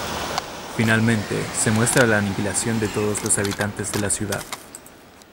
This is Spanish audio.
Finalmente, se muestra la aniquilación de todos los habitantes de la ciudad.